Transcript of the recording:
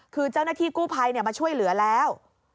คือเจ้าหน้าที่กู้ภัยมาช่วยเหลือแล้ว